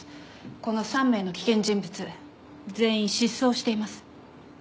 この３名の危険人物全員失踪しています。